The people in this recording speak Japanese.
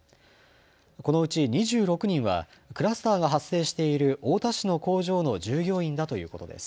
このうち２６人はクラスターが発生している太田市の工場の従業員だということです。